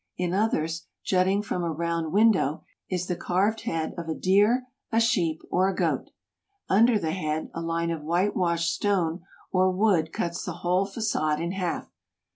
In others, jutting from a round window, is the carved head of a deer, a sheep, or a goat. Under the head, a line of whitewashed stone or wood cuts the whole fagade in half.